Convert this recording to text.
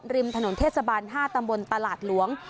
ริมถนนเทศบาล๕ตำบลตลาดหลวง